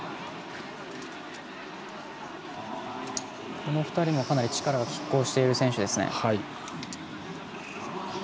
この２人も、かなり力がきっ抗している選手ですね。